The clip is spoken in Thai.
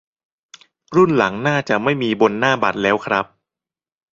รุ่นหลังน่าจะไม่มีบนหน้าบัตรแล้วครับ